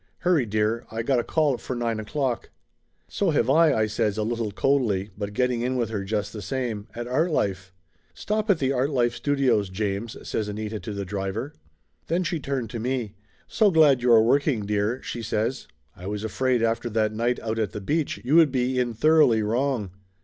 Hurry, dear, I got a call for nine o'clock." "So have I," I says a little coldly, but getting in with her just the same. "At Artlife!" "Stop at the Artlife studios, James," says Anita to the driver. Then she turned to me. "So glad you are working, dear," she says. "I was afraid after that night out at the beach you would be in thoroughly wrong